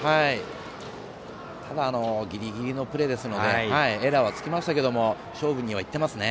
ただ、ギリギリのプレーですのでエラーはつきましたけど勝負に入ってますね。